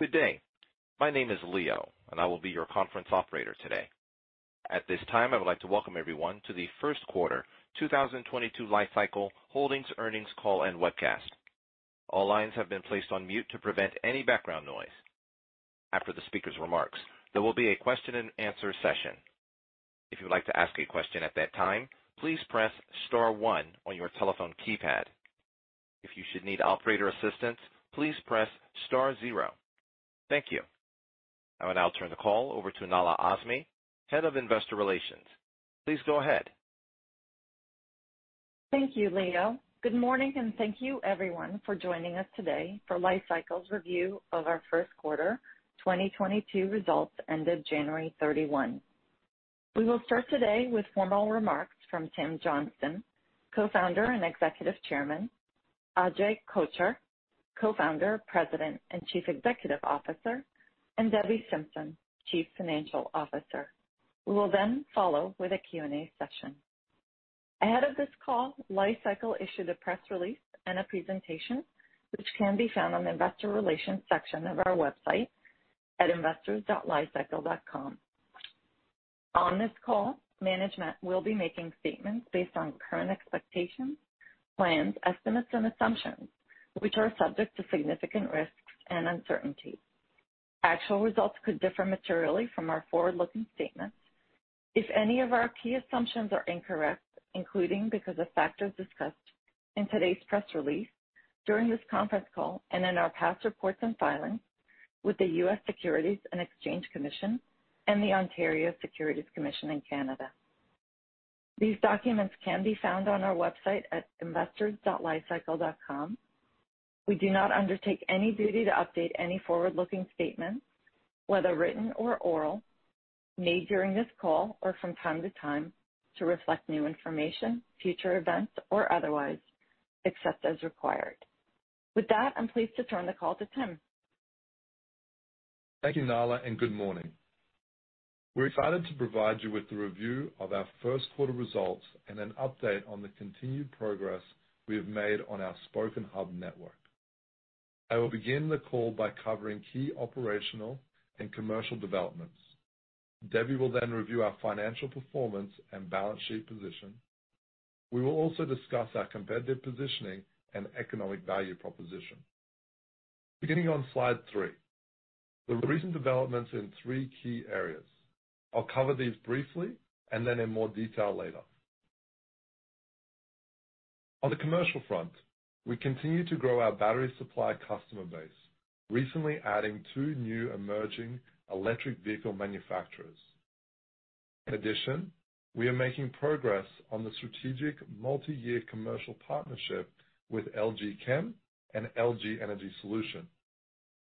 Good day. My name is Leo, and I will be your conference operator today. At this time, I would like to welcome everyone to the first quarter 2022 Li-Cycle Holdings earnings call and webcast. All lines have been placed on mute to prevent any background noise. After the speaker's remarks, there will be a question and answer session. If you would like to ask a question at that time, please press star one on your telephone keypad. If you should need operator assistance, please press star zero. Thank you. I will now turn the call over to Nahla Azmy, Head of Investor Relations. Please go ahead. Thank you, Leo. Good morning and thank you everyone for joining us today for Li-Cycle's review of our first quarter 2022 results ended January 31. We will start today with formal remarks from Tim Johnston, Co-founder and Executive Chairman, Ajay Kochhar, Co-founder, President, and Chief Executive Officer, and Debbie Simpson, Chief Financial Officer. We will then follow with a Q&A session. Ahead of this call, Li-Cycle issued a press release and a presentation which can be found on the investor relations section of our website at investors.licycle.com. On this call, management will be making statements based on current expectations, plans, estimates, and assumptions which are subject to significant risks and uncertainties. Actual results could differ materially from our forward-looking statements. If any of our key assumptions are incorrect, including because of factors discussed in today's press release, during this conference call and in our past reports and filings with the U.S. Securities and Exchange Commission and the Ontario Securities Commission in Canada. These documents can be found on our website at investors.li-cycle.com. We do not undertake any duty to update any forward-looking statements, whether written or oral, made during this call or from time to time to reflect new information, future events or otherwise, except as required. With that, I'm pleased to turn the call to Tim. Thank you, Nahla, and good morning. We're excited to provide you with the review of our first quarter results and an update on the continued progress we have made on our Spoke & Hub network. I will begin the call by covering key operational and commercial developments. Debbie will then review our financial performance and balance sheet position. We will also discuss our competitive positioning and economic value proposition. Beginning on slide three, the recent developments in three key areas. I'll cover these briefly and then in more detail later. On the commercial front, we continue to grow our battery supply customer base, recently adding two new emerging electric vehicle manufacturers. In addition, we are making progress on the strategic multi-year commercial partnership with LG Chem and LG Energy Solution.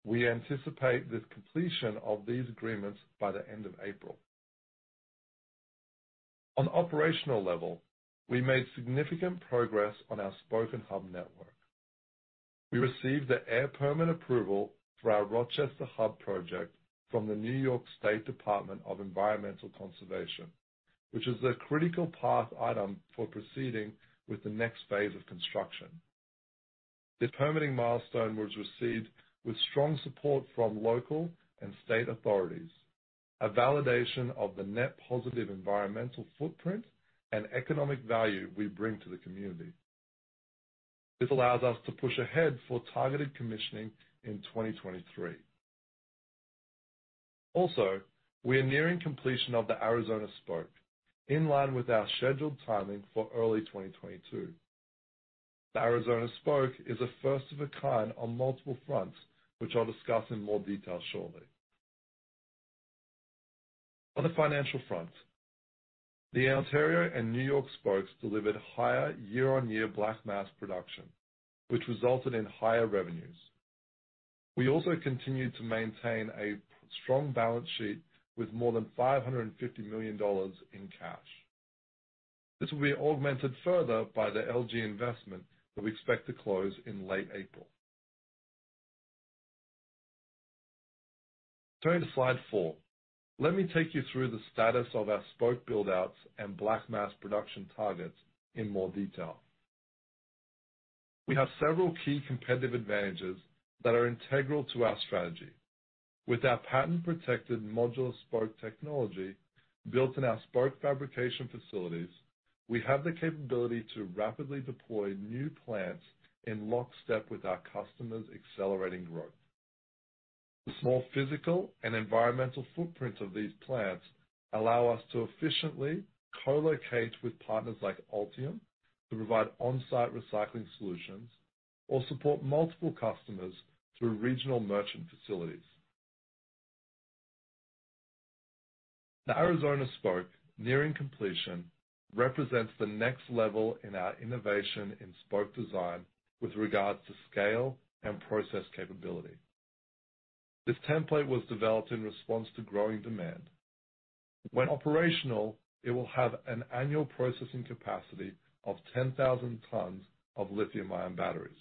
We anticipate the completion of these agreements by the end of April. On operational level, we made significant progress on our Spoke & Hub network. We received the air permit approval for our Rochester Hub project from the New York State Department of Environmental Conservation, which is a critical path item for proceeding with the next phase of construction. This permitting milestone was received with strong support from local and state authorities, a validation of the net positive environmental footprint and economic value we bring to the community. This allows us to push ahead for targeted commissioning in 2023. Also, we are nearing completion of the Arizona Spoke in line with our scheduled timing for early 2022. The Arizona Spoke is a first of a kind on multiple fronts, which I'll discuss in more detail shortly. On the financial front, the Ontario and New York Spokes delivered higher year-on-year black mass production, which resulted in higher revenues. We also continued to maintain a strong balance sheet with more than $550 million in cash. This will be augmented further by the LG investment that we expect to close in late April. Turning to slide 4, let me take you through the status of our Spoke build-outs and black mass production targets in more detail. We have several key competitive advantages that are integral to our strategy. With our patent-protected modular Spoke Technology built in our Spoke fabrication facilities, we have the capability to rapidly deploy new plants in lockstep with our customers' accelerating growth. The small physical and environmental footprint of these plants allow us to efficiently co-locate with partners like Ultium to provide on-site recycling solutions or support multiple customers through regional merchant facilities. The Arizona Spoke, nearing completion, represents the next level in our innovation in Spoke design with regards to scale and process capability. This template was developed in response to growing demand. When operational, it will have an annual processing capacity of 10,000 tons of lithium-ion batteries.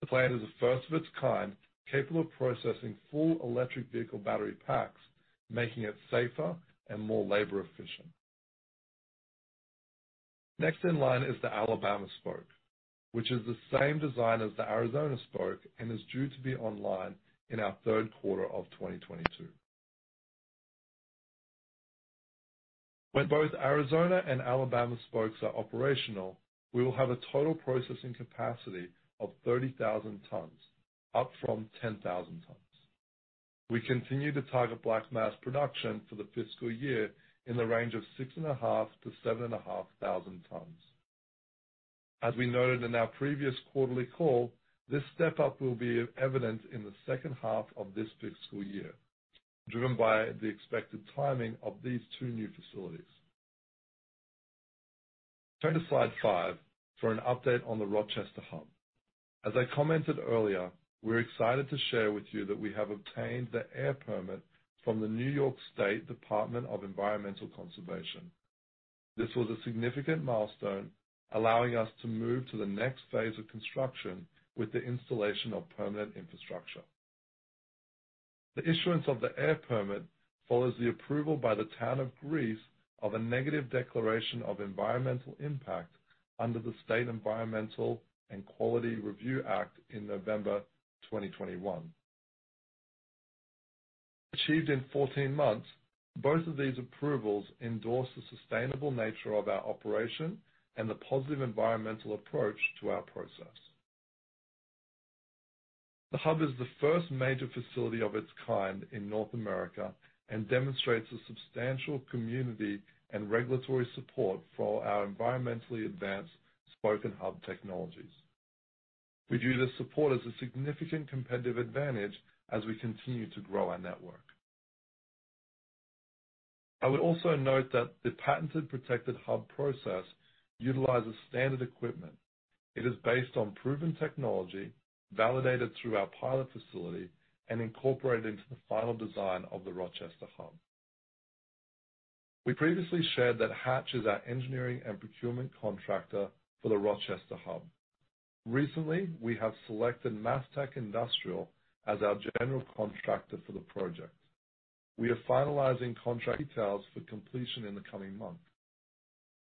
The plant is the first of its kind, capable of processing full electric vehicle battery packs, making it safer and more labor efficient. Next in line is the Alabama Spoke, which is the same design as the Arizona Spoke and is due to be online in our third quarter of 2022. When both Arizona and Alabama Spokes are operational, we will have a total processing capacity of 30,000 tons, up from 10,000 tons. We continue to target black mass production for the fiscal year in the range of 6.5-7.5 thousand tons. As we noted in our previous quarterly call, this step-up will be evident in the second half of this fiscal year, driven by the expected timing of these two new facilities. Turn to slide 5 for an update on the Rochester Hub. As I commented earlier, we're excited to share with you that we have obtained the air permit from the New York State Department of Environmental Conservation. This was a significant milestone, allowing us to move to the next phase of construction with the installation of permanent infrastructure. The issuance of the air permit follows the approval by the Town of Greece of a negative declaration of environmental impact under the State Environmental Quality Review Act in November 2021. Achieved in 14 months, both of these approvals endorse the sustainable nature of our operation and the positive environmental approach to our process. The Hub is the first major facility of its kind in North America and demonstrates the substantial community and regulatory support for our environmentally advanced Spoke and Hub technologies. We view this support as a significant competitive advantage as we continue to grow our network. I would also note that the patented protected Hub process utilizes standard equipment. It is based on proven technology, validated through our pilot facility and incorporated into the final design of the Rochester Hub. We previously shared that Hatch is our engineering and procurement contractor for the Rochester Hub. Recently, we have selected MasTec Industrial as our general contractor for the project. We are finalizing contract details for completion in the coming months.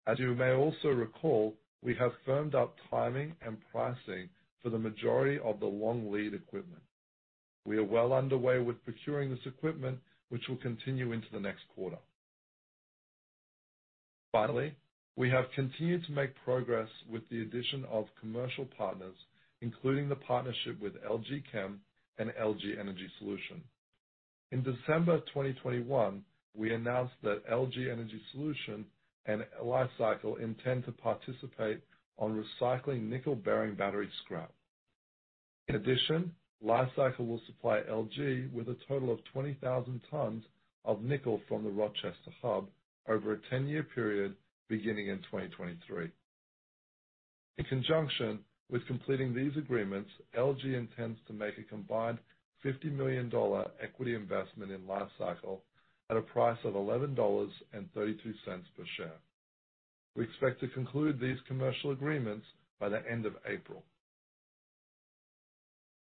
As you may also recall, we have firmed up timing and pricing for the majority of the long lead equipment. We are well underway with procuring this equipment, which will continue into the next quarter. Finally, we have continued to make progress with the addition of commercial partners, including the partnership with LG Chem and LG Energy Solution. In December 2021, we announced that LG Energy Solution and Li-Cycle intend to participate on recycling nickel-bearing battery scrap. In addition, Li-Cycle will supply LG with a total of 20,000 tons of nickel from the Rochester Hub over a 10-year period beginning in 2023. In conjunction with completing these agreements, LG intends to make a combined $50 million equity investment in Li-Cycle at a price of $11.32 per share. We expect to conclude these commercial agreements by the end of April.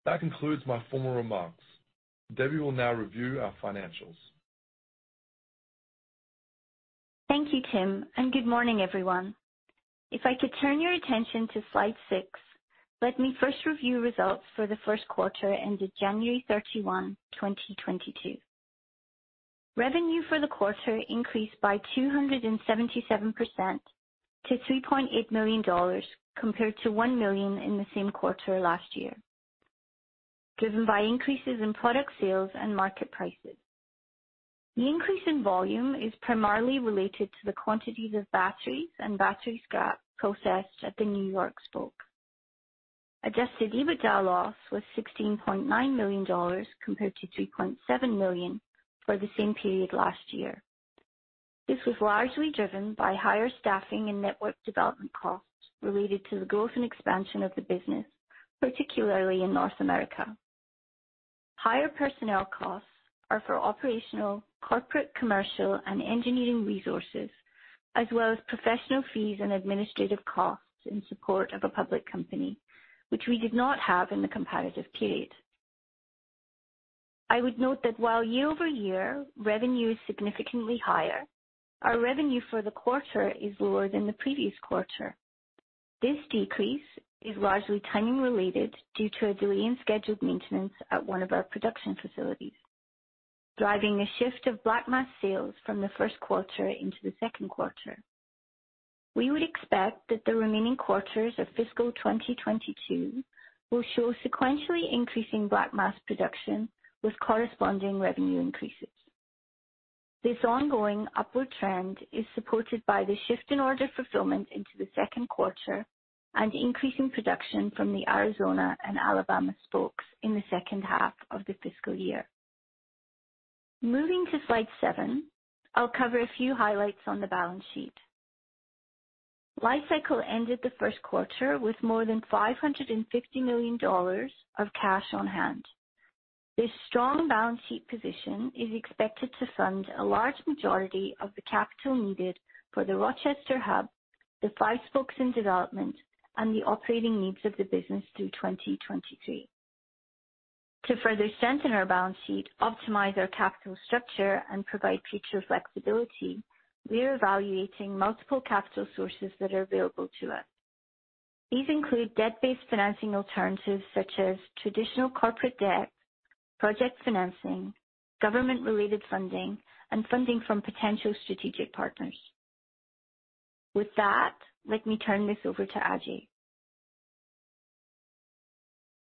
That concludes my formal remarks. Debbie will now review our financials. Thank you, Tim, and good morning, everyone. If I could turn your attention to slide 6, let me first review results for the first quarter ended January 31, 2022. Revenue for the quarter increased by 277% to $3.8 million compared to $1 million in the same quarter last year, driven by increases in product sales and market prices. The increase in volume is primarily related to the quantities of batteries and battery scrap processed at the New York Spoke. Adjusted EBITDA loss was $16.9 million compared to $3.7 million for the same period last year. This was largely driven by higher staffing and network development costs related to the growth and expansion of the business, particularly in North America. Higher personnel costs are for operational, corporate, commercial, and engineering resources, as well as professional fees and administrative costs in support of a public company, which we did not have in the comparative period. I would note that while year-over-year revenue is significantly higher, our revenue for the quarter is lower than the previous quarter. This decrease is largely timing related due to a delay in scheduled maintenance at one of our production facilities, driving a shift of black mass sales from the first quarter into the second quarter. We would expect that the remaining quarters of fiscal 2022 will show sequentially increasing black mass production with corresponding revenue increases. This ongoing upward trend is supported by the shift in order fulfillment into the second quarter and increasing production from the Arizona and Alabama Spokes in the second half of the fiscal year. Moving to slide 7, I'll cover a few highlights on the balance sheet. Li-Cycle ended the first quarter with more than $550 million of cash on hand. This strong balance sheet position is expected to fund a large majority of the capital needed for the Rochester Hub, the 5 Spokes in development, and the operating needs of the business through 2023. To further strengthen our balance sheet, optimize our capital structure, and provide future flexibility, we are evaluating multiple capital sources that are available to us. These include debt-based financing alternatives such as traditional corporate debt, project financing, government-related funding, and funding from potential strategic partners. With that, let me turn this over to Ajay.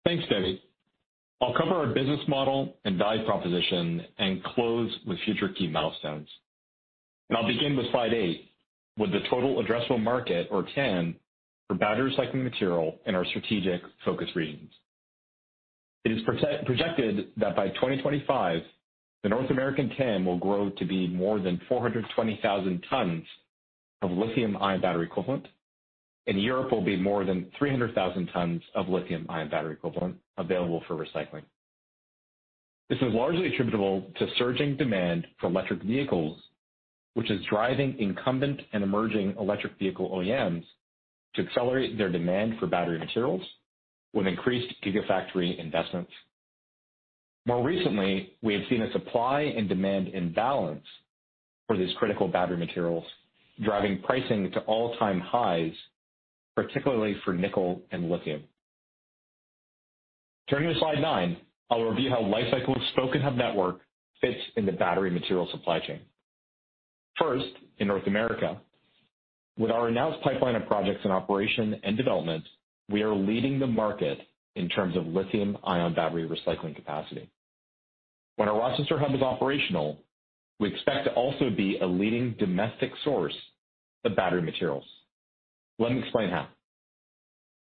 Thanks, Debbie. I'll cover our business model and value proposition and close with future key milestones. I'll begin with slide 8, with the total addressable market or TAM for battery recycling material in our strategic focus regions. It is projected that by 2025, the North American TAM will grow to be more than 420,000 tons of lithium-ion battery equivalent, and Europe will be more than 300,000 tons of lithium-ion battery equivalent available for recycling. This is largely attributable to surging demand for electric vehicles, which is driving incumbent and emerging electric vehicle OEMs to accelerate their demand for battery materials with increased gigafactory investments. More recently, we have seen a supply and demand imbalance for these critical battery materials, driving pricing to all-time highs, particularly for nickel and lithium. Turning to slide 9, I'll review how Li-Cycle's Spoke & Hub network fits in the battery material supply chain. First, in North America, with our announced pipeline of projects in operation and development, we are leading the market in terms of lithium-ion battery recycling capacity. When our Rochester hub is operational, we expect to also be a leading domestic source of battery materials. Let me explain how.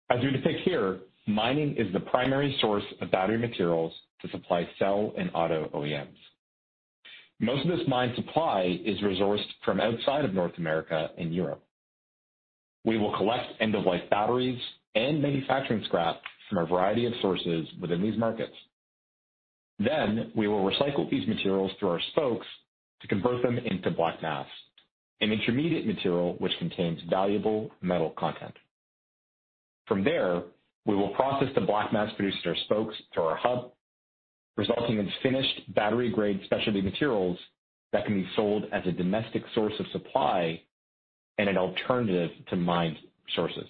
As we depict here, mining is the primary source of battery materials to supply cell and auto OEMs. Most of this mine supply is resourced from outside of North America and Europe. We will collect end-of-life batteries and manufacturing scrap from a variety of sources within these markets. Then we will recycle these materials through our spokes to convert them into black mass, an intermediate material which contains valuable metal content. From there, we will process the black mass produced in our spokes to our hub, resulting in finished battery-grade specialty materials that can be sold as a domestic source of supply and an alternative to mined sources.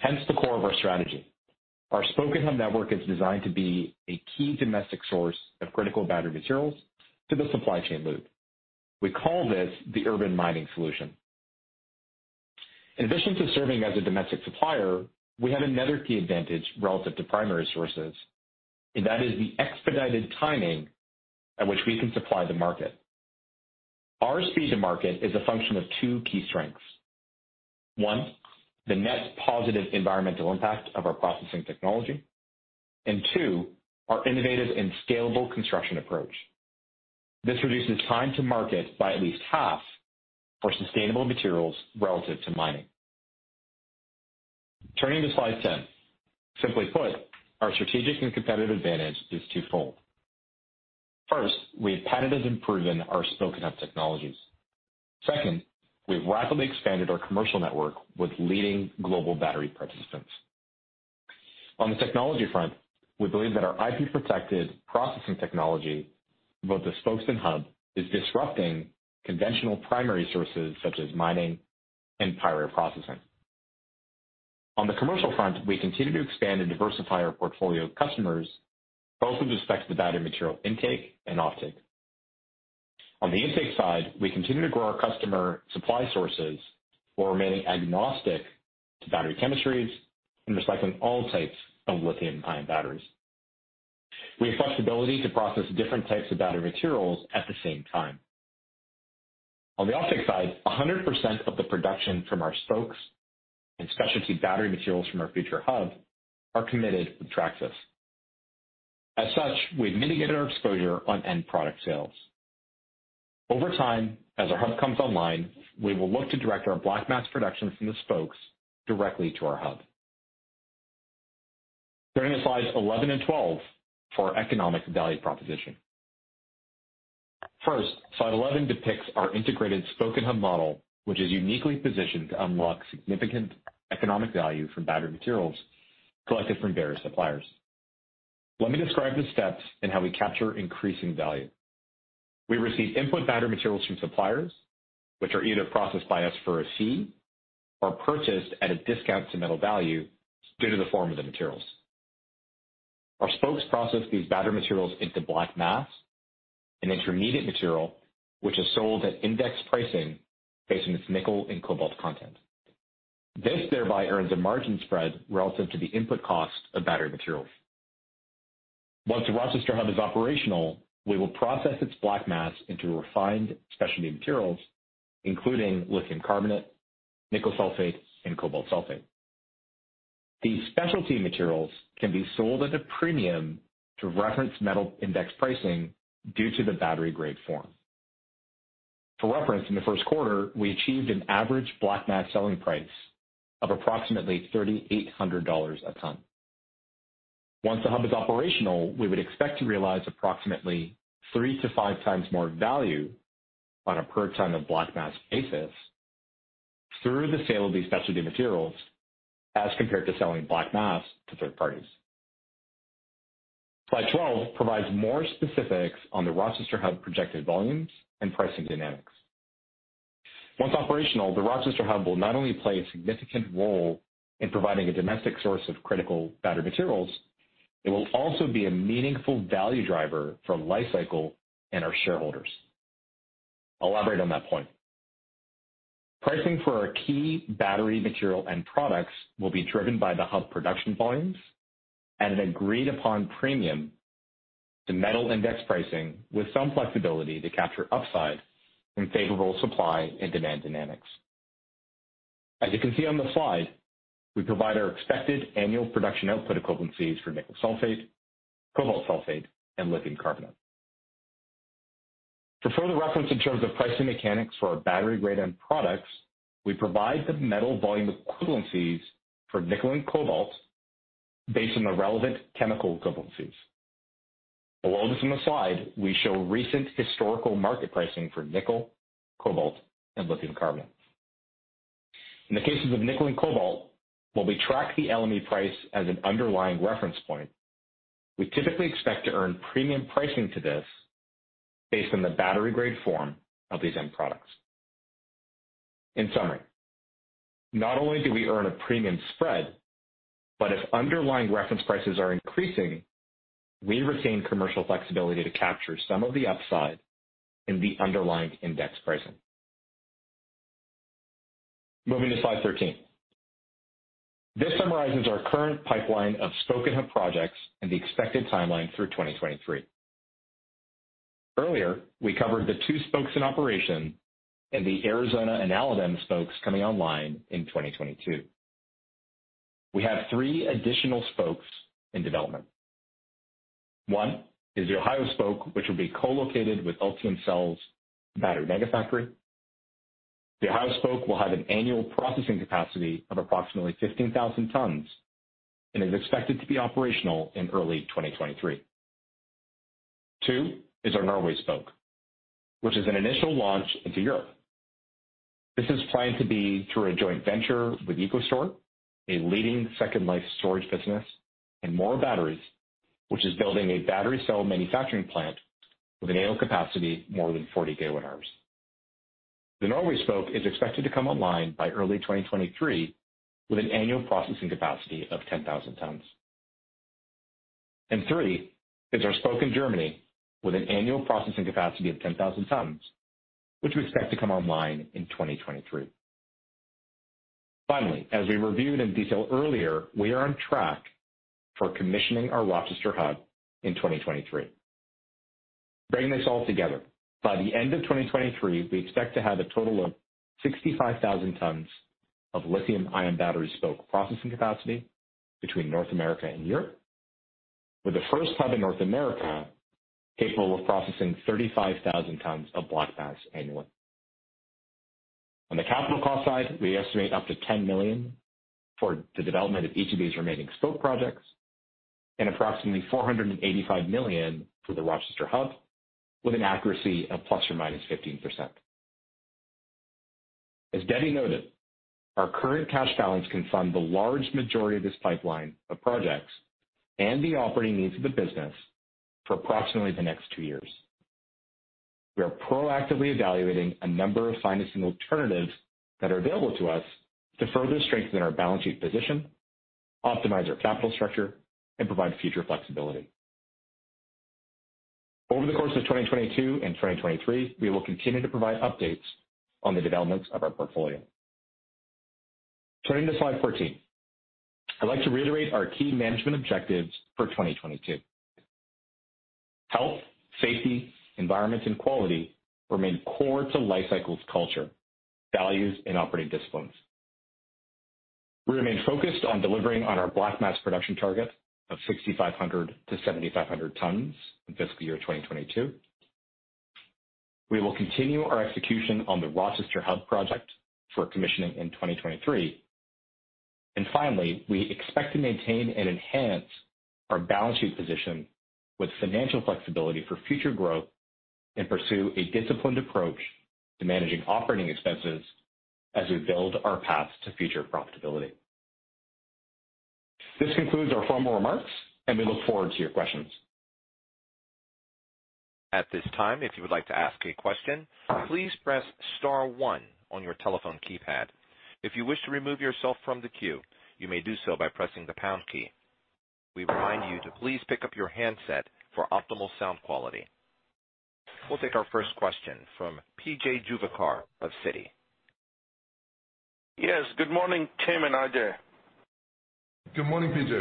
Hence, the core of our strategy. Our spoke and hub network is designed to be a key domestic source of critical battery materials to the supply chain loop. We call this the urban mining solution. In addition to serving as a domestic supplier, we have another key advantage relative to primary sources, and that is the expedited timing at which we can supply the market. Our speed to market is a function of two key strengths. One, the net positive environmental impact of our processing technology, and two, our innovative and scalable construction approach. This reduces time to market by at least half for sustainable materials relative to mining. Turning to slide 10. Simply put, our strategic and competitive advantage is twofold. First, we've patented and proven our Spoke and Hub technologies. Second, we've rapidly expanded our commercial network with leading global battery participants. On the technology front, we believe that our IP-protected processing technology for both the Spokes and Hub is disrupting conventional primary sources such as mining and pyrometallurgy processing. On the commercial front, we continue to expand and diversify our portfolio of customers, both with respect to the battery material intake and offtake. On the intake side, we continue to grow our customer supply sources while remaining agnostic to battery chemistries and recycling all types of lithium-ion batteries. We have flexibility to process different types of battery materials at the same time. On the offtake side, 100% of the production from our Spokes and specialty battery materials from our future Hub are committed with Traxys. As such, we've mitigated our exposure on end product sales. Over time, as our hub comes online, we will look to direct our black mass production from the spokes directly to our hub. Turning to slides 11 and 12 for our economics and value proposition. First, slide 11 depicts our integrated spoke and hub model, which is uniquely positioned to unlock significant economic value from battery materials collected from various suppliers. Let me describe the steps and how we capture increasing value. We receive input battery materials from suppliers, which are either processed by us for a fee or purchased at a discount to metal value due to the form of the materials. Our spokes process these battery materials into black mass, an intermediate material which is sold at index pricing based on its nickel and cobalt content. This thereby earns a margin spread relative to the input cost of battery materials. Once the Rochester Hub is operational, we will process its black mass into refined specialty materials, including lithium carbonate, nickel sulfate, and cobalt sulfate. These specialty materials can be sold at a premium to reference metal index pricing due to the battery-grade form. For reference, in the first quarter, we achieved an average black mass selling price of approximately $3,800 a ton. Once the Hub is operational, we would expect to realize approximately 3-5 times more value on a per ton of black mass basis. Through the sale of these specialty materials as compared to selling black mass to third parties. Slide 12 provides more specifics on the Rochester Hub projected volumes and pricing dynamics. Once operational, the Rochester Hub will not only play a significant role in providing a domestic source of critical battery materials, it will also be a meaningful value driver for Li-Cycle and our shareholders. I'll elaborate on that point. Pricing for our key battery material end products will be driven by the hub production volumes and an agreed upon premium to metal index pricing with some flexibility to capture upside in favorable supply and demand dynamics. As you can see on the slide, we provide our expected annual production output equivalencies for nickel sulfate, cobalt sulfate, and lithium carbonate. For further reference in terms of pricing mechanics for our battery grade end products, we provide the metal volume equivalencies for nickel and cobalt based on the relevant chemical equivalencies. Below this on the slide, we show recent historical market pricing for nickel, cobalt, and lithium carbonate. In the cases of nickel and cobalt, while we track the LME price as an underlying reference point, we typically expect to earn premium pricing to this based on the battery grade form of these end products. In summary, not only do we earn a premium spread, but if underlying reference prices are increasing, we retain commercial flexibility to capture some of the upside in the underlying index pricing. Moving to slide 13. This summarizes our current pipeline of Spoke and Hub projects and the expected timeline through 2023. Earlier, we covered the two Spokes in operation and the Arizona and Allendale Spokes coming online in 2022. We have three additional Spokes in development. One is the Ohio Spoke, which will be co-located with Ultium Cells battery mega factory. The Ohio Spoke will have an annual processing capacity of approximately 15,000 tons and is expected to be operational in early 2023. Two is our Norway Spoke, which is an initial launch into Europe. This is planned to be through a joint venture with ECO STOR, a leading second life storage business, and Morrow Batteries, which is building a battery cell manufacturing plant with an annual capacity more than 40 GWh. The Norway Spoke is expected to come online by early 2023 with an annual processing capacity of 10,000 tons. Three is our Spoke in Germany with an annual processing capacity of 10,000 tons, which we expect to come online in 2023. Finally, as we reviewed in detail earlier, we are on track for commissioning our Rochester Hub in 2023. Bringing this all together, by the end of 2023, we expect to have a total of 65,000 tons of lithium-ion battery spoke processing capacity between North America and Europe, with the first hub in North America capable of processing 35,000 tons of black mass annually. On the capital cost side, we estimate up to $10 million for the development of each of these remaining spoke projects and approximately $485 million for the Rochester Hub, with an accuracy of ±15%. As Debbie noted, our current cash balance can fund the large majority of this pipeline of projects and the operating needs of the business for approximately the next 2 years. We are proactively evaluating a number of financing alternatives that are available to us to further strengthen our balance sheet position, optimize our capital structure, and provide future flexibility. Over the course of 2022 and 2023, we will continue to provide updates on the developments of our portfolio. Turning to slide 14. I'd like to reiterate our key management objectives for 2022. Health, safety, environment, and quality remain core to Li-Cycle's culture, values, and operating disciplines. We remain focused on delivering on our black mass production target of 6,500-7,500 tons in fiscal year 2022. We will continue our execution on the Rochester Hub project for commissioning in 2023. Finally, we expect to maintain and enhance our balance sheet position with financial flexibility for future growth and pursue a disciplined approach to managing operating expenses as we build our path to future profitability. This concludes our formal remarks, and we look forward to your questions. At this time, if you would like to ask a question, please press star one on your telephone keypad. If you wish to remove yourself from the queue, you may do so by pressing the pound key. We remind you to please pick up your handset for optimal sound quality. We'll take our first question from P.J. Juvekar of Citi. Yes, good morning, Tim and Ajay. Good morning, P.J.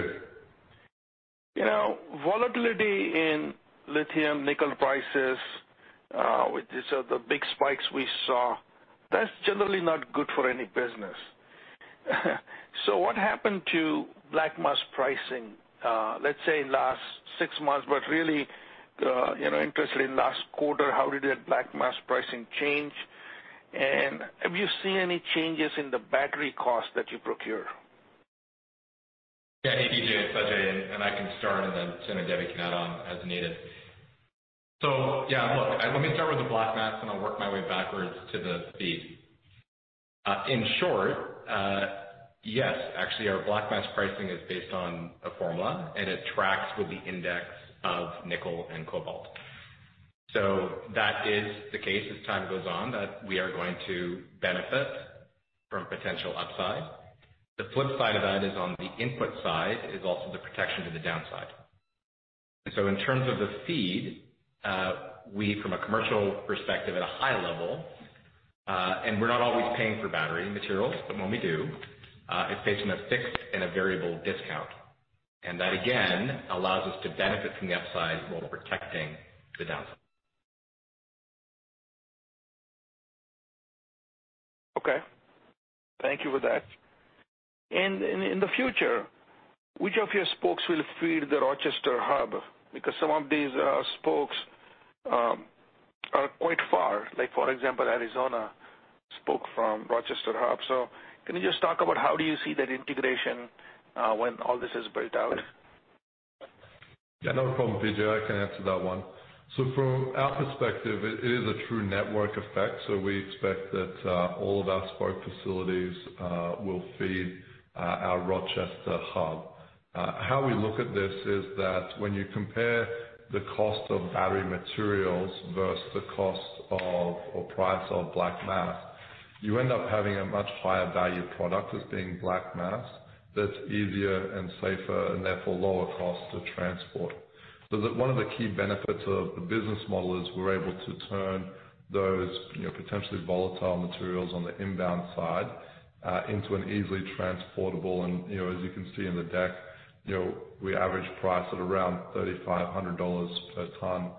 You know, volatility in lithium nickel prices, so the big spikes we saw, that's generally not good for any business. What happened to black mass pricing, let's say in last six months, but really, you know, interested in last quarter, how did the black mass pricing change? Have you seen any changes in the battery cost that you procure? Yeah. Hey, Vijay and Sajay, and I can start, and then soon Debbie can add on as needed. Yeah, look, let me start with the black mass, and I'll work my way backwards to the feed. In short, yes, actually, our black mass pricing is based on a formula, and it tracks with the index of nickel and cobalt. That is the case as time goes on, that we are going to benefit from potential upside. The flip side of that is on the input side is also the protection to the downside. In terms of the feed, we from a commercial perspective at a high level, and we're not always paying for battery materials, but when we do, it's based on a fixed and a variable discount. that again, allows us to benefit from the upside while protecting the downside. Okay. Thank you for that. In the future, which of your spokes will feed the Rochester hub? Because some of these spokes are quite far. Like for example, Arizona spoke from Rochester hub. Can you just talk about how do you see that integration when all this is built out? Yeah, no problem, P.J. Juvekar. I can answer that one. From our perspective, it is a true network effect, so we expect that all of our Spoke facilities will feed our Rochester hub. How we look at this is that when you compare the cost of battery materials versus the cost or price of black mass, you end up having a much higher value product as being black mass that's easier and safer and therefore lower cost to transport. One of the key benefits of the business model is we're able to turn those, you know, potentially volatile materials on the inbound side into an easily transportable. You know, as you can see in the deck, you know, we average price at around $3,500 per ton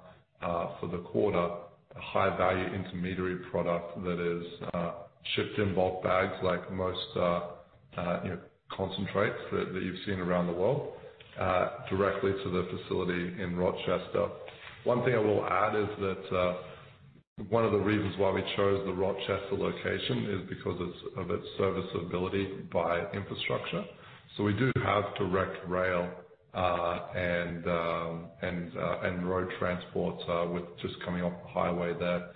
for the quarter, a high-value intermediary product that is, you know, concentrates that you've seen around the world, directly to the facility in Rochester. One thing I will add is that one of the reasons why we chose the Rochester location is because of its serviceability by infrastructure. We do have direct rail and road transport with just coming off the highway there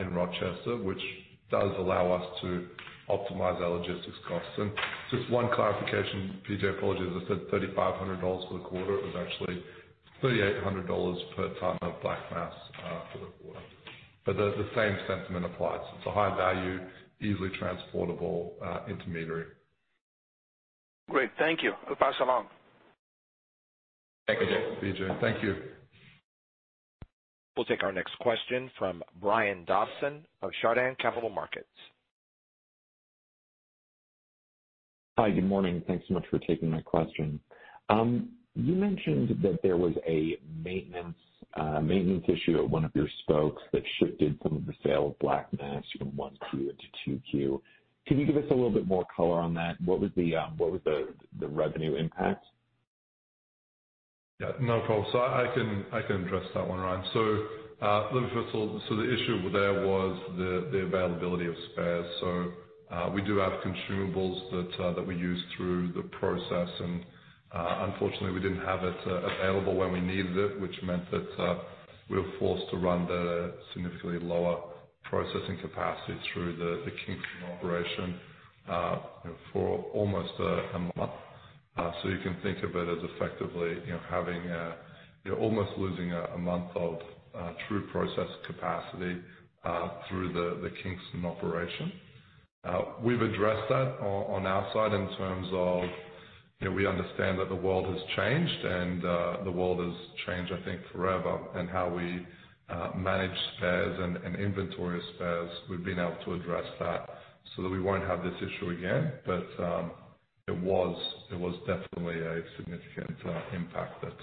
in Rochester, which does allow us to optimize our logistics costs. Just one clarification, P.J. Juvekar, apologies, I said $3,500 for the quarter. It was actually $3,800 per ton of black mass for the quarter. The same sentiment applies. It's a high value, easily transportable intermediary. Great. Thank you. I'll pass along. Thank you, Vijay. Thank you. We'll take our next question from Brian Dobson of Chardan Capital Markets. Hi. Good morning. Thanks so much for taking my question. You mentioned that there was a maintenance issue at one of your spokes that shifted some of the sale of black mass from one Q into two Q. Can you give us a little bit more color on that? What was the revenue impact? Yeah, no problem. I can address that one, Brian. The issue there was the availability of spares. We do have consumables that we use through the process, and unfortunately, we didn't have it available when we needed it, which meant that we were forced to run significantly lower processing capacity through the Kingston operation for almost a month. You can think of it as effectively, you know, you're almost losing a month of true process capacity through the Kingston operation. We've addressed that on our side in terms of, you know, we understand that the world has changed, I think, forever in how we manage spares and inventory spares. We've been able to address that so that we won't have this issue again. It was definitely a significant impact that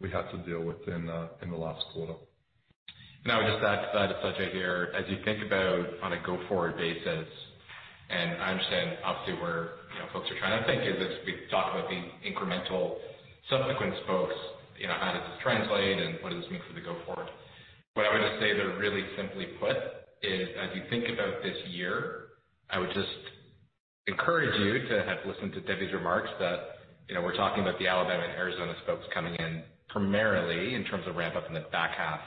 we had to deal with in the last quarter. I would just add to that, Ajay, here, as you think about on a go-forward basis, and I understand obviously where, you know, folks are trying to think is as we talk about the incremental subsequent spokes, you know, how does this translate and what does this mean for the go forward? What I would just say though, really simply put, is as you think about this year, I would just encourage you to have listened to Debbie's remarks that, you know, we're talking about the Alabama and Arizona spokes coming in primarily in terms of ramp up in the back half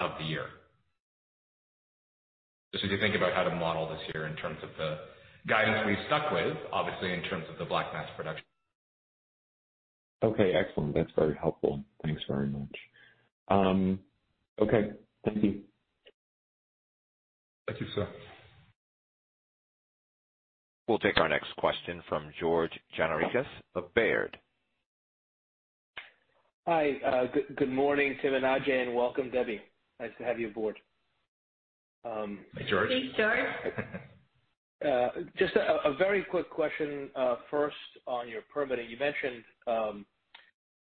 of the year. Just as you think about how to model this year in terms of the guidance we've stuck with, obviously in terms of the black mass production. Okay, excellent. That's very helpful. Thanks very much. Okay. Thank you. Thank you, sir. We'll take our next question from George Gianarikas of Baird. Hi, good morning, Tim and Ajay, and welcome, Debbie. Nice to have you aboard. Hi, George. Hey, George. Just a very quick question, first on your permitting. You mentioned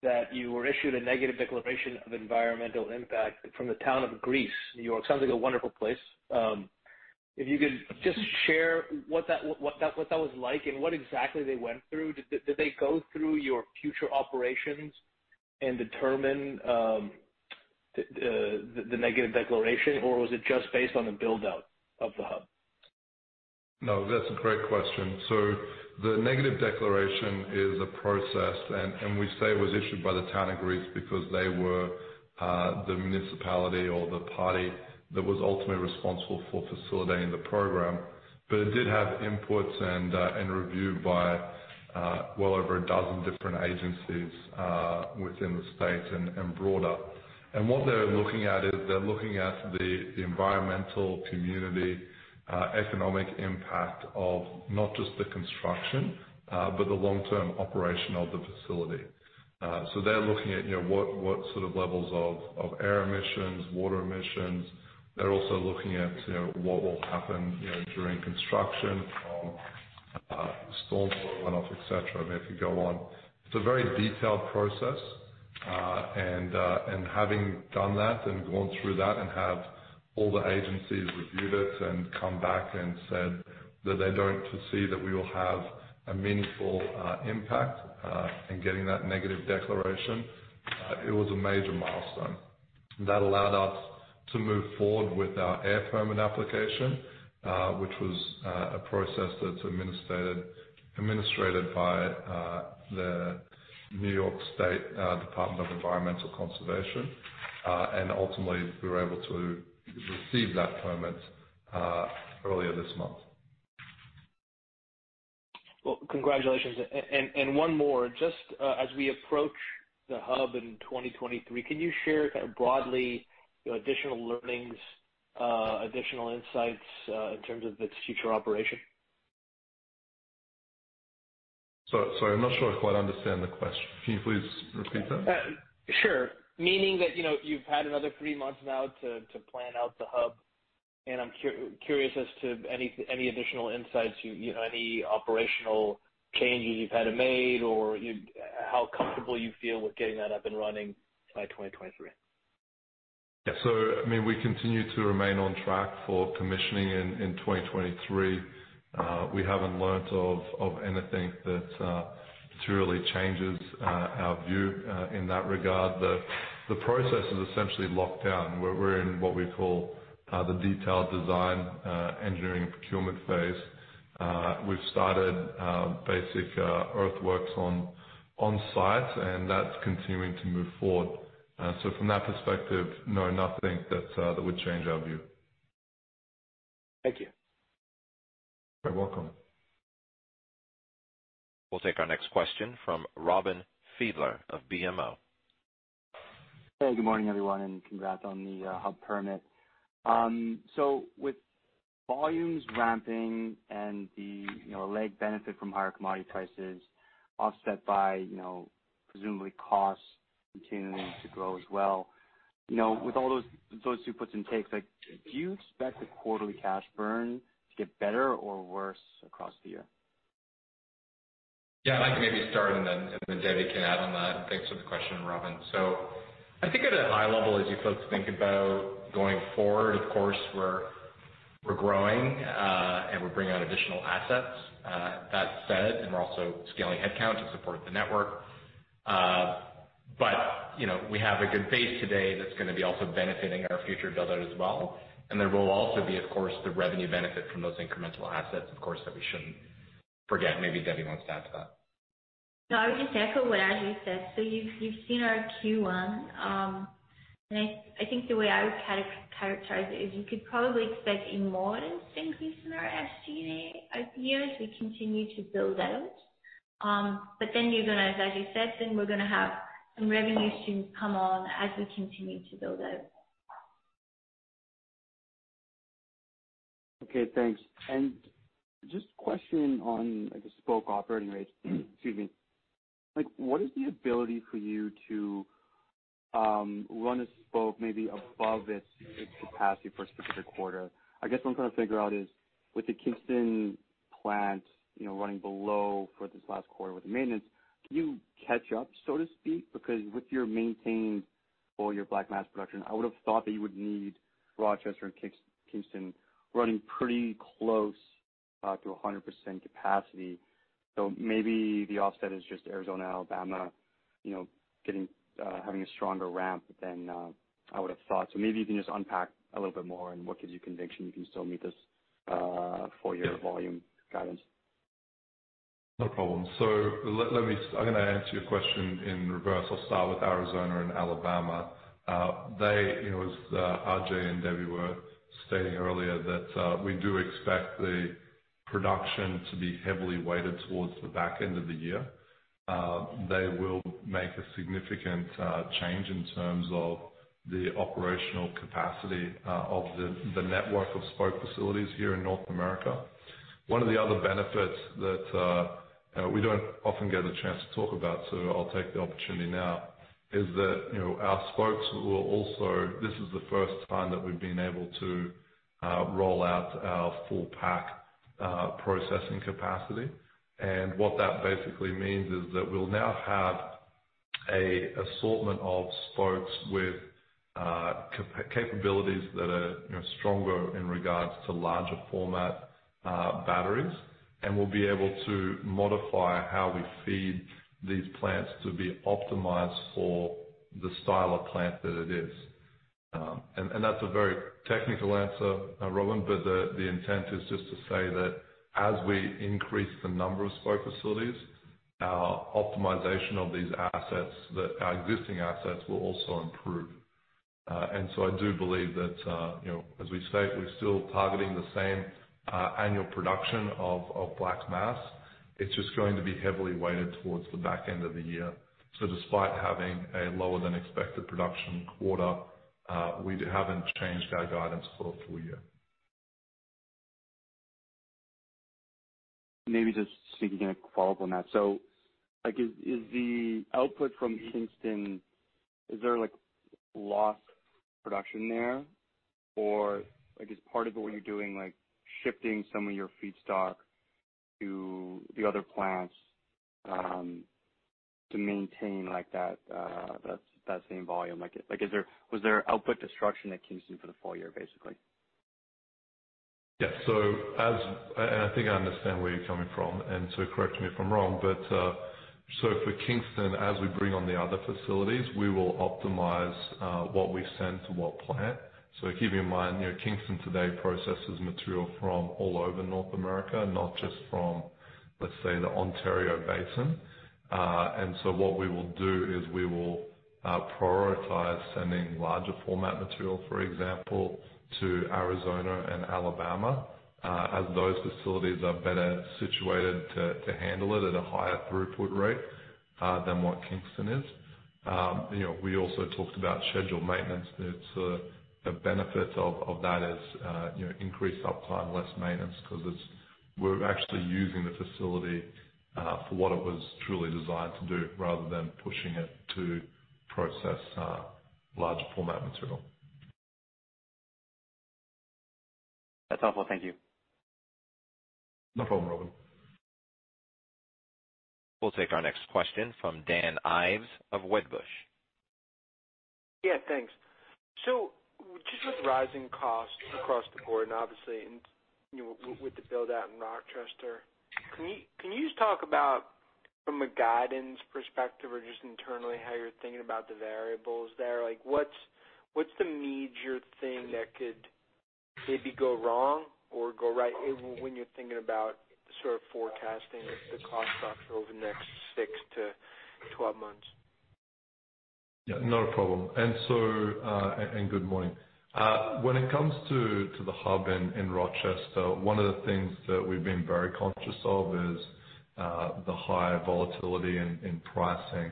that you were issued a negative declaration of environmental impact from the town of Greece, New York. Sounds like a wonderful place. If you could just share what that was like and what exactly they went through. Did they go through your future operations and determine the negative declaration, or was it just based on the build out of the hub? No, that's a great question. The negative declaration is a process, and we say it was issued by the Town of Greece because they were the municipality or the party that was ultimately responsible for facilitating the program. It did have inputs and review by well over a dozen different agencies within the state and broader. What they're looking at is the environmental, community, economic impact of not just the construction, but the long-term operation of the facility. They're looking at, you know, what sort of levels of air emissions, water emissions. They're also looking at, you know, what will happen, you know, during construction from storm water runoff, et cetera. I mean, it could go on. It's a very detailed process, and having done that and gone through that and have all the agencies reviewed it and come back and said that they don't foresee that we will have a meaningful impact in getting that negative declaration, it was a major milestone. That allowed us to move forward with our air permit application, which was a process that's administered by the New York State Department of Environmental Conservation. Ultimately, we were able to receive that permit earlier this month. Well, congratulations. One more. Just as we approach the hub in 2023, can you share kind of broadly, you know, additional learnings, additional insights, in terms of its future operation? sorry, I'm not sure I quite understand the question. Can you please repeat that? Sure. Meaning that, you know, you've had another three months now to plan out the hub, and I'm curious as to any additional insights, you know, any operational changes you've had to make or how comfortable you feel with getting that up and running by 2023. Yeah. I mean, we continue to remain on track for commissioning in 2023. We haven't learned of anything that materially changes our view in that regard. The process is essentially locked down. We're in what we call the detailed design engineering and procurement phase. We've started basic earthworks on site, and that's continuing to move forward. From that perspective, no, nothing that would change our view. Thank you. You're welcome. We'll take our next question from Robin Fiedler of BMO. Hey, good morning, everyone, and congrats on the hub permit. With volumes ramping and the, you know, leverage benefit from higher commodity prices offset by, you know, presumably costs continuing to grow as well, you know, with all those puts and takes, like, do you expect the quarterly cash burn to get better or worse across the year? Yeah. I'd like to maybe start and then Debbie can add on that. Thanks for the question, Robin. I think at a high level, as you folks think about going forward, of course, we're growing and we're bringing on additional assets. That said, we're also scaling headcount to support the network. You know, we have a good base today that's gonna be also benefiting our future build out as well. There will also be, of course, the revenue benefit from those incremental assets, of course, that we shouldn't forget. Maybe Debbie wants to add to that. No, I would just echo what RJ said. You've seen our Q1. I think the way I would characterize it is you could probably expect a modest increase in our SG&A expenses as we continue to build out. Then, as you said, we're gonna have some revenue streams come on as we continue to build out. Okay, thanks. Just questioning on, I guess, spoke operating rates. Excuse me. Like, what is the ability for you to run a spoke maybe above its capacity for a specific quarter? I guess what I'm trying to figure out is, with the Kingston plant, you know, running below for this last quarter with the maintenance, can you catch up, so to speak? Because with your maintenance or your black mass production, I would have thought that you would need Rochester and Kingston running pretty close to 100% capacity. Maybe the offset is just Arizona, Alabama, you know, getting having a stronger ramp than I would've thought. Maybe you can just unpack a little bit more on what gives you conviction you can still meet this full year volume guidance. No problem. I'm gonna answer your question in reverse. I'll start with Arizona and Alabama. They, you know, as RJ and Debbie were stating earlier, that we do expect the production to be heavily weighted towards the back end of the year. They will make a significant change in terms of the operational capacity of the network of spoke facilities here in North America. One of the other benefits that we don't often get a chance to talk about, so I'll take the opportunity now, is that, you know, our spokes will also. This is the first time that we've been able to roll out our full pack processing capacity. What that basically means is that we'll now have an assortment of spokes with capabilities that are, you know, stronger in regards to larger format batteries, and we'll be able to modify how we feed these plants to be optimized for the style of plant that it is. That's a very technical answer, Robin, but the intent is just to say that as we increase the number of spoke facilities, our optimization of these assets, our existing assets will also improve. I do believe that, you know, as we state, we're still targeting the same annual production of black mass. It's just going to be heavily weighted towards the back end of the year. Despite having a lower than expected production quarter, we haven't changed our guidance for a full year. Maybe just thinking a follow-up on that. Like, is the output from Kingston? Is there like lost production there? Or, like, is part of what you're doing like shifting some of your feedstock to the other plants to maintain like that same volume? Like, was there output destruction at Kingston for the full year, basically? I think I understand where you're coming from, and correct me if I'm wrong, but for Kingston, as we bring on the other facilities, we will optimize what we send to what plant. Keeping in mind, you know, Kingston today processes material from all over North America, not just from, let's say, the Ontario Basin. What we will do is we will prioritize sending larger format material, for example, to Arizona and Alabama, as those facilities are better situated to handle it at a higher throughput rate than what Kingston is. You know, we also talked about scheduled maintenance. It's the benefits of that is, you know, increased uptime, less maintenance, 'cause we're actually using the facility for what it was truly designed to do rather than pushing it to process larger format material. That's helpful. Thank you. No problem, Robin. We'll take our next question from Dan Ives of Wedbush. Yeah, thanks. Just with rising costs across the board, and obviously in, you know, with the build-out in Rochester, can you just talk about from a guidance perspective or just internally how you're thinking about the variables there? Like, what's the major thing that could maybe go wrong or go right when you're thinking about sort of forecasting the cost structure over the next six to 12 months? Yeah, not a problem. Good morning. When it comes to the hub in Rochester, one of the things that we've been very conscious of is the higher volatility in pricing.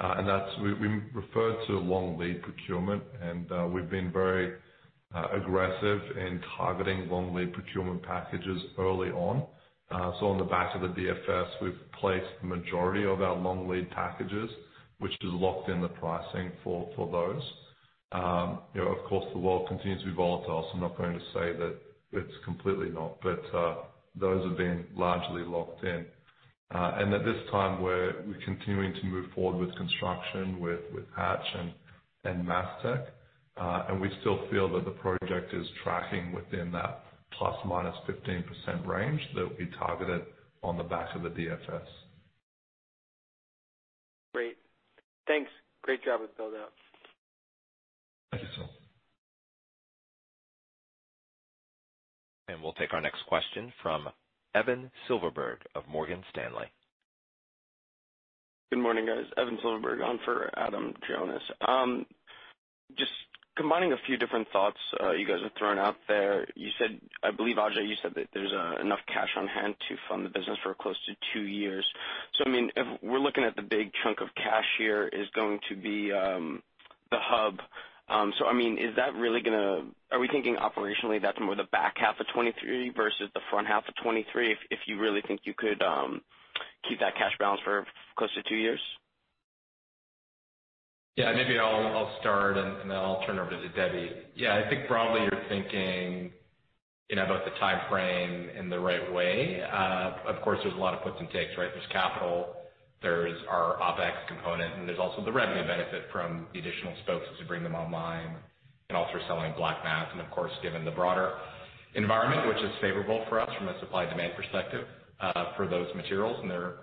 We refer to long lead procurement, and we've been very aggressive in targeting long lead procurement packages early on. On the back of the DFS, we've placed the majority of our long lead packages, which has locked in the pricing for those. You know, of course, the world continues to be volatile, so I'm not going to say that it's completely not. Those have been largely locked in. At this time, we're continuing to move forward with construction, with Hatch and MasTec, and we still feel that the project is tracking within that ±15% range that we targeted on the back of the DFS. Great. Thanks. Great job with the build-out. Thank you, sir. We'll take our next question from Evan Silverberg of Morgan Stanley. Good morning, guys. Evan Silverberg on for Adam Jonas. Just combining a few different thoughts you guys have thrown out there. You said, I believe, Ajay, you said that there's enough cash on hand to fund the business for close to two years. I mean, if we're looking at the big chunk of cash here is going to be the hub. I mean, is that really gonna? Are we thinking operationally that's more the back half of 2023 versus the front half of 2023, if you really think you could keep that cash balance for close to two years? Yeah, maybe I'll start, and then I'll turn over to Debbie. Yeah, I think broadly you're thinking, you know, about the timeframe in the right way. Of course, there's a lot of puts and takes, right? There's capital, there's our OpEx component, and there's also the revenue benefit from the additional spokes as we bring them online and also selling black mass. Of course, given the broader environment, which is favorable for us from a supply-demand perspective, for those materials and their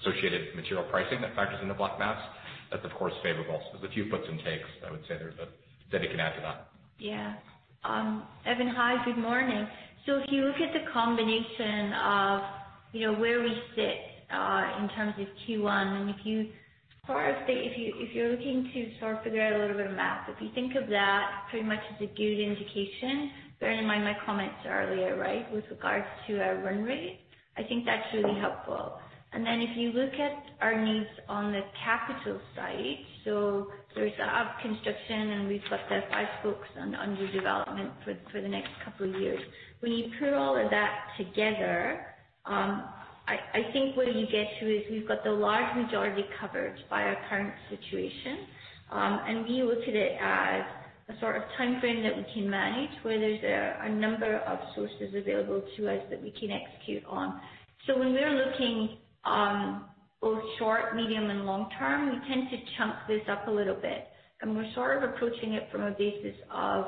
associated material pricing that factors into black mass, that's of course favorable. There's a few puts and takes, I would say. Debbie can add to that. Yeah. Evan, hi. Good morning. If you look at the combination of, you know, where we sit in terms of Q1, if you're looking to sort of figure out a little bit of math, if you think of that pretty much as a good indication, bearing in mind my comments earlier, right, with regards to our run rate, I think that's really helpful. If you look at our needs on the capital side, there's a hub construction, and we've got the five spokes on new development for the next couple of years. When you put all of that together, I think what you get to is you've got the large majority covered by our current situation. We look at it as a sort of timeframe that we can manage, where there's a number of sources available to us that we can execute on. When we're looking both short, medium, and long term, we tend to chunk this up a little bit. We're sort of approaching it from a basis of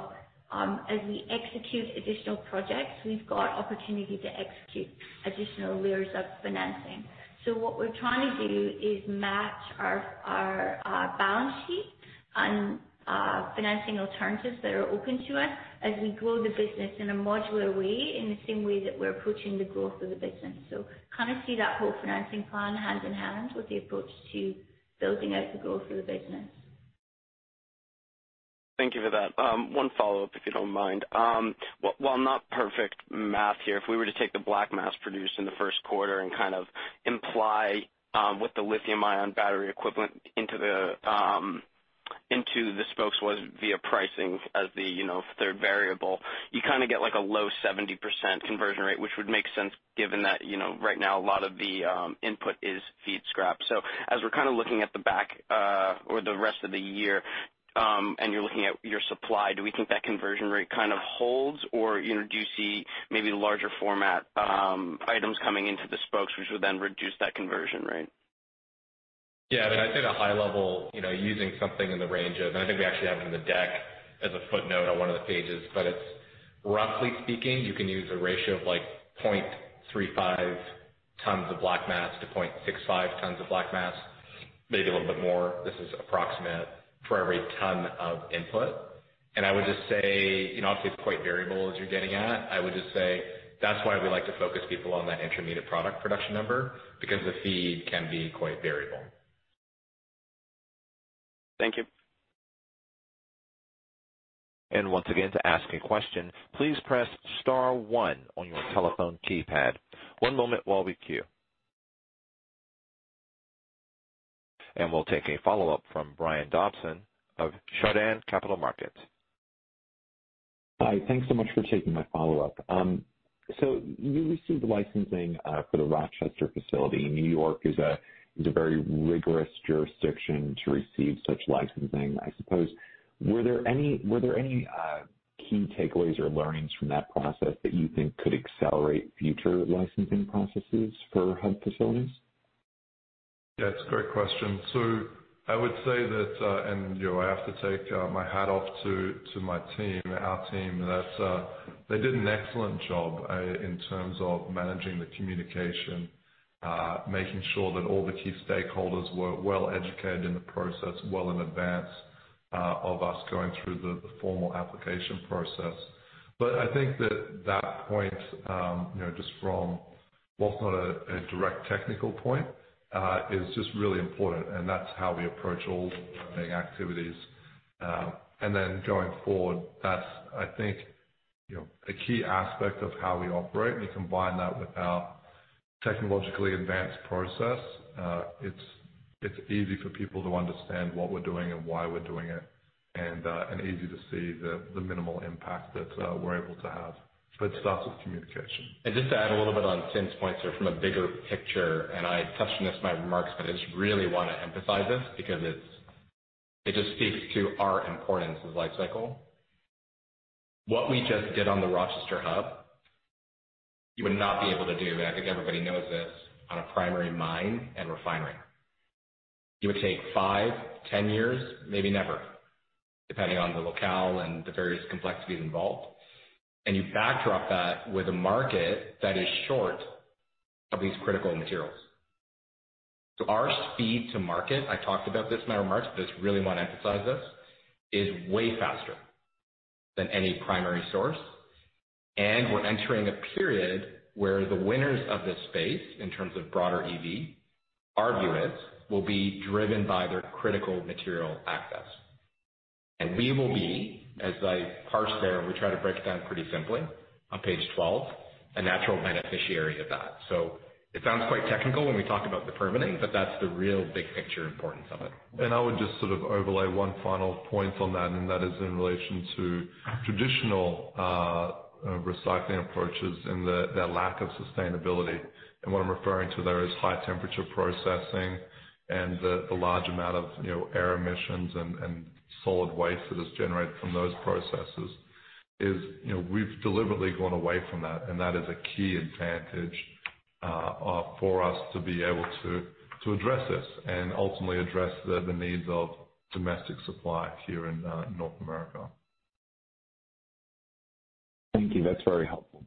as we execute additional projects, we've got opportunity to execute additional layers of financing. What we're trying to do is match our balance sheet on financing alternatives that are open to us as we grow the business in a modular way, in the same way that we're approaching the growth of the business. Kind of see that whole financing plan hand in hand with the approach to building out the growth of the business. Thank you for that. One follow-up, if you don't mind. While not perfect math here, if we were to take the black mass produced in the first quarter and kind of imply what the lithium ion battery equivalent into the into the spokes was via pricing as the, you know, third variable, you kinda get like a low 70% conversion rate, which would make sense given that, you know, right now a lot of the input is feed scrap. As we're kinda looking at the back half of the year and you're looking at your supply, do we think that conversion rate kind of holds? Or, you know, do you see maybe larger format items coming into the spokes which would then reduce that conversion rate? Yeah. I mean, I'd say the high level, you know, using something in the range of. I think we actually have it in the deck as a footnote on one of the pages. But it's roughly speaking, you can use a ratio of like 0.35 tons of black mass to 0.65 tons of black mass, maybe a little bit more, this is approximate, for every ton of input. I would just say, you know, obviously it's quite variable as you're getting at. I would just say that's why we like to focus people on that intermediate product production number, because the feed can be quite variable. Thank you. We'll take a follow-up from Brian Dobson of Chardan Capital Markets. Hi. Thanks so much for taking my follow-up. You received the licensing for the Rochester facility. New York is a very rigorous jurisdiction to receive such licensing, I suppose. Were there any key takeaways or learnings from that process that you think could accelerate future licensing processes for hub facilities? Yeah, it's a great question. I would say that, you know, I have to take my hat off to my team, our team, that they did an excellent job in terms of managing the communication, making sure that all the key stakeholders were well educated in the process well in advance of us going through the formal application process. I think that point, you know, just from what's not a direct technical point, is just really important, and that's how we approach all learning activities. Going forward, that's, I think, you know, a key aspect of how we operate. We combine that with our technologically advanced process. It's easy for people to understand what we're doing and why we're doing it, and easy to see the minimal impact that we're able to have. It starts with communication. Just to add a little bit on Tim's points there from a bigger picture, and I touched on this in my remarks, but I just really wanna emphasize this because it's, it just speaks to our importance as Li-Cycle. What we just did on the Rochester hub, you would not be able to do, and I think everybody knows this, on a primary mine and refinery. It would take 5, 10 years, maybe never, depending on the locale and the various complexities involved. You backdrop that with a market that is short of these critical materials. Our speed to market, I talked about this in my remarks, but I just really wanna emphasize this, is way faster than any primary source. We're entering a period where the winners of this space, in terms of broader EV, our view is, will be driven by their critical material access. We will be, as I parsed there, and we try to break it down pretty simply on page 12, a natural beneficiary of that. It sounds quite technical when we talk about the permitting, but that's the real big picture importance of it. I would just sort of overlay one final point on that, and that is in relation to traditional recycling approaches and their lack of sustainability. What I'm referring to there is high temperature processing and the large amount of, you know, air emissions and solid waste that is generated from those processes. You know, we've deliberately gone away from that, and that is a key advantage for us to be able to address this and ultimately address the needs of domestic supply here in North America. Thank you. That's very helpful.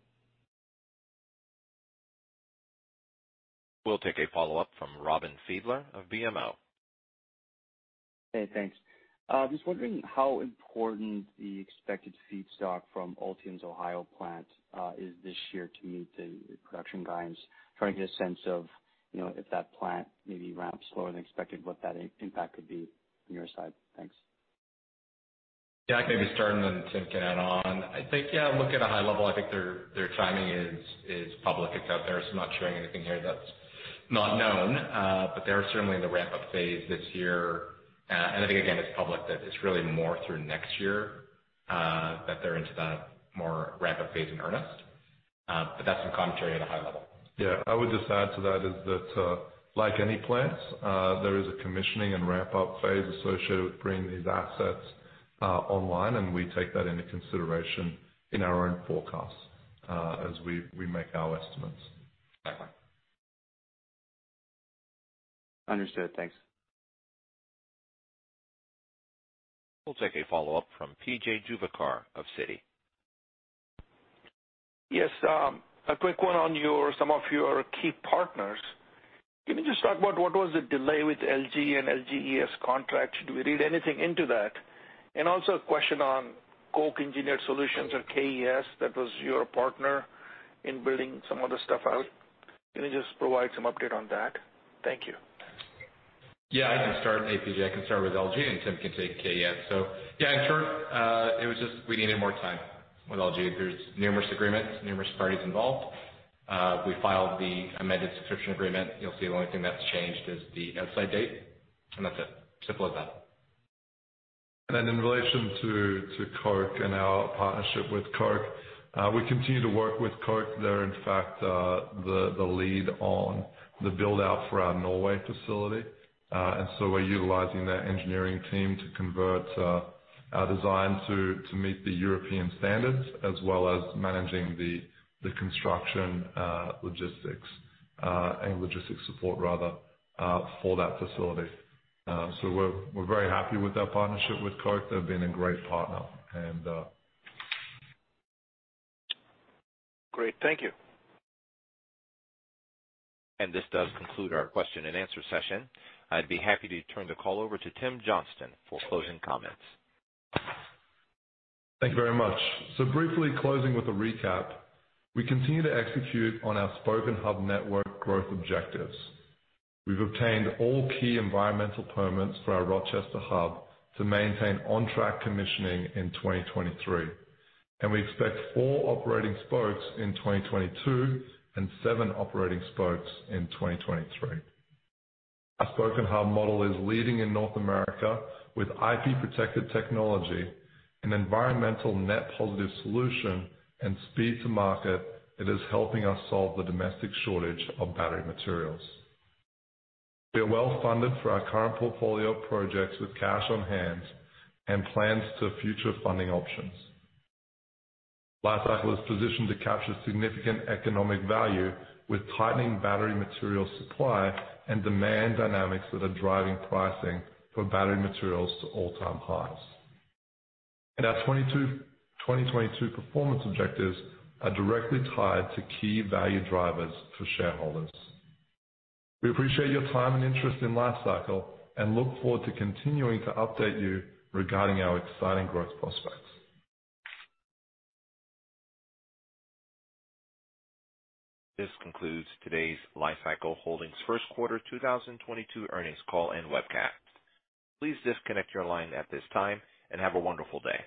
We'll take a follow-up from Robin Fiedler of BMO. Hey, thanks. I'm just wondering how important the expected feedstock from Ultium's Ohio plant is this year to meet the production guidance. Trying to get a sense of, you know, if that plant maybe ramps slower than expected, what that impact could be on your side. Thanks. Yeah. I can maybe start and then Tim can add on. I think, yeah, look, at a high level, I think their timing is public. It's out there, so I'm not sharing anything here that's not known. I think again, it's public that it's really more through next year that they're into that more ramp-up phase in earnest. That's some commentary at a high level. Yeah. I would just add to that is that, like any plant, there is a commissioning and ramp-up phase associated with bringing these assets online, and we take that into consideration in our own forecasts, as we make our estimates. Okay. Understood. Thanks. We'll take a follow-up from P.J. Juvekar of Citi. Yes. A quick one on some of your key partners. Can you just talk about what was the delay with LG and LG ES contracts? Should we read anything into that? A question on Koch Engineered Solutions or KES. That was your partner in building some of the stuff out. Can you just provide some update on that? Thank you. Yeah, I can start with LG, P.J., and Tim can take KES. Yeah, in short, it was just we needed more time with LG. There's numerous agreements, numerous parties involved. We filed the amended subscription agreement. You'll see the only thing that's changed is the outside date, and that's it. Simple as that. In relation to Koch and our partnership with Koch, we continue to work with Koch. They're in fact the lead on the build out for our Norway facility. We're utilizing their engineering team to convert our design to meet the European standards as well as managing the construction logistics and logistics support rather for that facility. We're very happy with our partnership with Koch. They've been a great partner and. Great. Thank you. This does conclude our question and answer session. I'd be happy to turn the call over to Tim Johnston for closing comments. Thank you very much. Briefly closing with a recap, we continue to execute on our Spoke & Hub network growth objectives. We've obtained all key environmental permits for our Rochester hub to maintain on track commissioning in 2023. We expect 4 operating spokes in 2022 and 7 operating spokes in 2023. Our Spoke & Hub model is leading in North America with IP protected technology, an environmental net positive solution, and speed to market that is helping us solve the domestic shortage of battery materials. We are well funded for our current portfolio of projects with cash on hand and plans to future funding options. Li-Cycle is positioned to capture significant economic value with tightening battery material supply and demand dynamics that are driving pricing for battery materials to all-time highs. Our 2022 performance objectives are directly tied to key value drivers for shareholders. We appreciate your time and interest in Li-Cycle and look forward to continuing to update you regarding our exciting growth prospects. This concludes today's Li-Cycle Holdings' first quarter 2022 earnings call and webcast. Please disconnect your line at this time and have a wonderful day.